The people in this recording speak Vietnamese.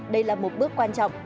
đây là một bước quan trọng